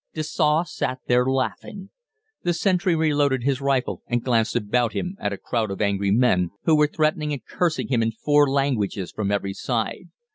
Dessaux sat there laughing. The sentry reloaded his rifle and glanced about him at a crowd of angry men, who were threatening and cursing him in four languages from every side.